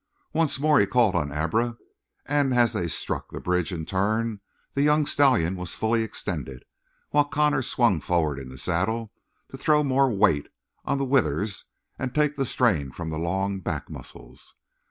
Once more he called on Abra, and as they struck the bridge in turn the young stallion was fully extended, while Connor swung forward in the saddle to throw more weight on the withers and take the strain from the long back muscles.